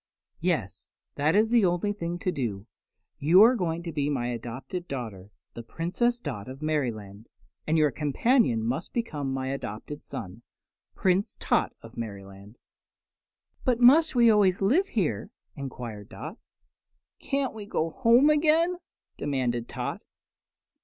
"Yes, that is the only thing to do. You are going to be my adopted daughter, the Princess Dot of Merryland; and your companion must become my adopted son, Prince Tot of Merryland." "But must we always live here?" enquired Dot. "Can't we go home again?" demanded Tot.